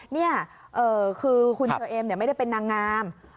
นี่คือคุณเชอเอมไม่ได้เป็นนางงาม